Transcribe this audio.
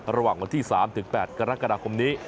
ระหว่างวันที่๓๘กรกฎาคมนี้